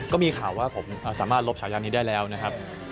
ก็มีข่าวว่าผมสามารถลบฉายานี้ได้แล้วนะครับ